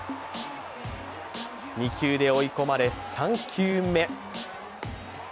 ２球で追い込まれ、３球目。